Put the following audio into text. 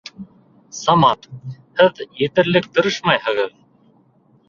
Самат, һеҙ етерлек тырышмайһығыҙ